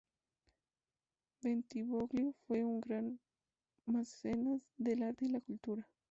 Bentivoglio fue un gran mecenas del arte y la cultura.